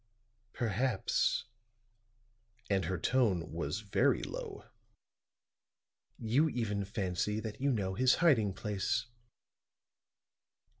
"Perhaps," and her tone was very low, "you even fancy that you know his hiding place."